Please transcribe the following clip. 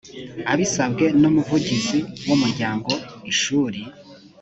abisabwe n umuvugizi w umuryango ishuri